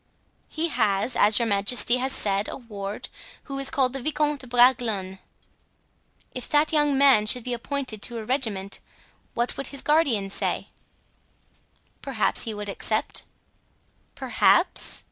"He has, as your majesty has said, a ward, who is called the Vicomte de Bragelonne." "If that young man should be appointed to a regiment what would his guardian say?" "Perhaps he would accept." "Perhaps?"